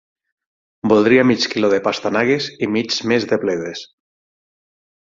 Voldria mig quilo de pastanagues i mig més de bledes.